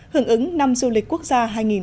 hưởng ứng năm du lịch quốc gia hai nghìn một mươi chín